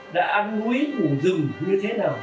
đã ăn núi ngủ rừng như thế nào